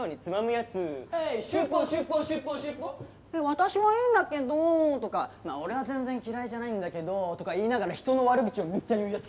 「私はいいんだけど」とか「俺は全然嫌いじゃないんだけど」とか言いながら人の悪口をめっちゃ言う奴。